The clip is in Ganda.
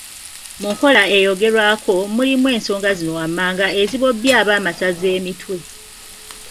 Mu nkola eyogerwako, mulimu ensonga zino wammanga, ezibobbya ab'amasaza emitwe.